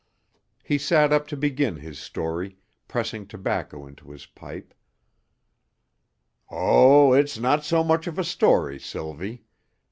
He sat up to begin his story, pressing tobacco into his pipe. "Oh, it's not so much of a story, Sylvie.